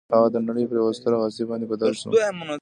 هغه د نړۍ پر یوه ستره هستي باندې بدل شو